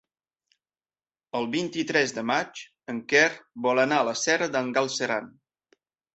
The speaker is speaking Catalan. El vint-i-tres de maig en Quer vol anar a la Serra d'en Galceran.